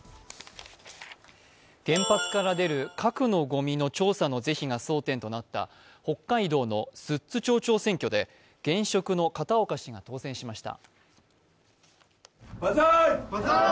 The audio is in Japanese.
原発から出る核のごみの調査の是非が争点となった北海道の寿都町長選挙で現職の片岡氏が当選しました。